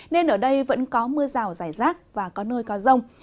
nên ở đây vẫn có mưa rào rải rác và có nơi có rông